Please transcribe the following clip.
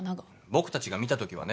僕たちが見たときはね。